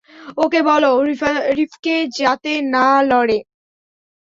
ওকে বলো, রিফকে, যাতে না লড়ে।